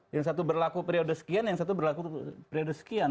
yang satu berlaku periode sekian yang satu berlaku periode sekian